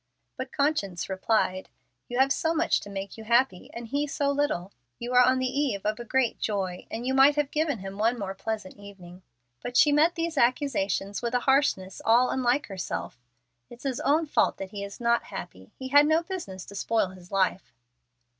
But conscience replied, "You have so much to make you happy, and he so little! You are on the eve of a great joy, and you might have given him one more pleasant evening." But she met these accusations with a harshness all unlike herself. "It's his own fault that he is not happy. He had no business to spoil his life."